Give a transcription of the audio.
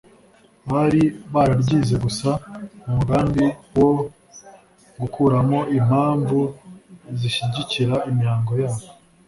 bari bararyize gusa mu mugambi wo gukuramo impamvu zishyigikira imihango yabo